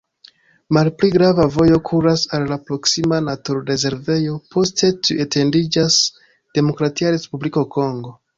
Malpli grava vojo kuras al la proksima naturrezervejo, poste tuj etendiĝas Demokratia Respubliko Kongo.